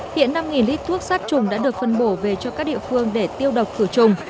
hiện năm lít thuốc sát trùng đã được phân bổ về cho các địa phương để tiêu độc khử trùng